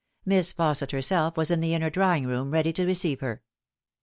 Miss Fausset herself was in the inner drawing room ready to receive her.